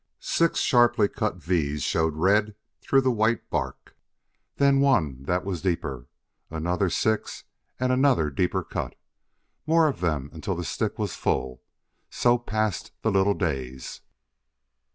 Six sharply cut V's showed red through the white bark, then one that was deeper; another six and another deeper cut; more of them until the stick was full: so passed the little days.